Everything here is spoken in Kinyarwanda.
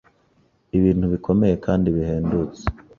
ibintu bikomeye kandi bihendutse